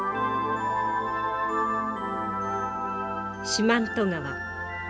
四万十川。